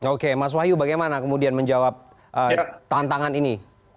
oke mas wahyu bagaimana kemudian menjawab tantangan ini